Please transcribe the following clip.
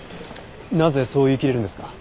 なぜそう言いきれるんですか？